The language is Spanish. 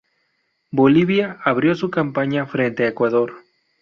Bolivia abrió su campaña frente a Ecuador.